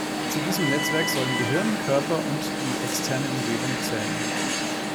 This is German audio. Zu diesem Netzwerk sollen Gehirn, Körper und die externe Umgebung zählen.